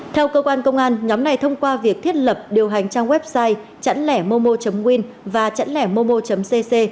theo cơ quan công an nhóm này thông qua việc thiết lập điều hành trang website chẵnlẻmomo win và chẵnlẻmomo cc